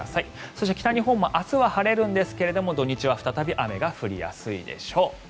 そして、北日本も明日は晴れるんですが土日は再び雨が降りやすいでしょう。